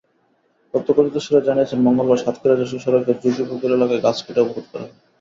প্রত্যক্ষদর্শীরা জানিয়েছেন, মঙ্গলবার সাতক্ষীরা-যশোর সড়কের যুগীপুকুর এলাকায় গাছ কেটে অবরোধ করা হয়।